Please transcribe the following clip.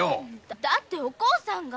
だっておこうさんが。